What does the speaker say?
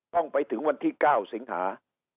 ต้องไปถึงวันที่๙สิงหา